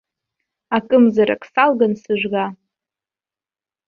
Акымзарак салган сыжәга!